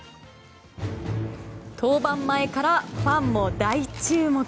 登板前からファンも大注目。